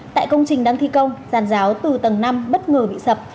tại công trình đang thi công giàn giáo từ tầng năm bất ngờ bị sập